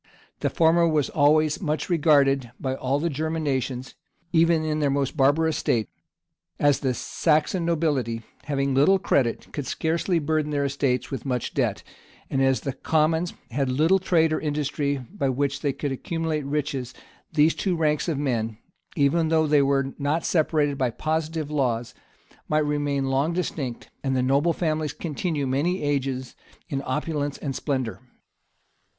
The former was always much regarded by all the German nations, even in their most barbarous state; and as the Saxon nobility, having little credit, could scarcely burden their estates with much debt, and as the commons had little trade or industry by which they could accumulate riches' these two ranks of men, even though they were not separated by positive laws, might remain long distinct, and the noble families continue many ages in opulence and splendor.